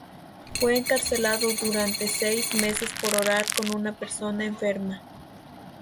Fue encarcelado durante seis meses por orar con una persona enferma.